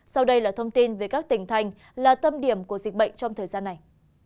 sau đây là thông tin về các tỉnh thành là tâm điểm của dịch bệnh trong thời gian này